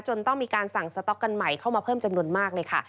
ต้องมีการสั่งสต๊อกกันใหม่เข้ามาเพิ่มจำนวนมากเลยค่ะ